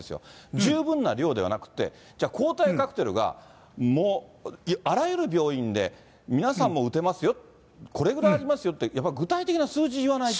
十分な量ではなくて、じゃあ、抗体カクテルがあらゆる病院で皆さんも打てますよ、これぐらいありますよって、やっぱ具体的な数字言わないと。